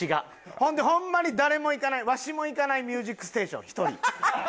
ほんでホンマに誰も行かないわしも行かない『ミュージックステーション』１人。